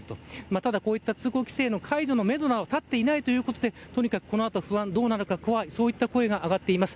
ただこういった通行規制の解除のメドが立っていないということで、とにかくこのあと不安、どうなのか、怖い、そういった声が上がっています。